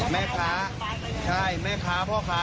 แม่ค้าใช่แม่ค้าพ่อค้า